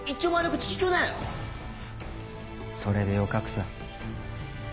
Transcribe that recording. フッそれでよかくさ。